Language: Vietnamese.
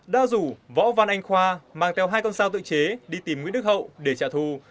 đã rủ võ văn anh khoa mang theo hai con sao tự chế đi tìm nguyễn đức hậu để trả thù